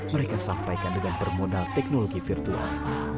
mereka sampaikan dengan bermodal teknologi virtual